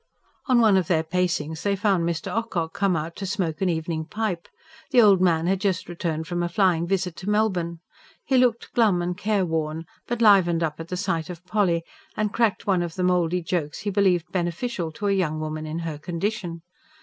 On one of their pacings they found Mr. Ocock come out to smoke an evening pipe. The old man had just returned from a flying visit to Melbourne. He looked glum and careworn, but livened up at the sight of Polly, and cracked one of the mouldy jokes he believed beneficial to a young woman in her condition.